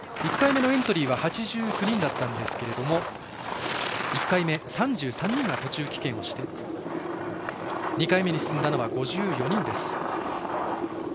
１回目のエントリーは８９人だったんですけれども１回目３３人が途中棄権をして２回目に進んだのは５４人です。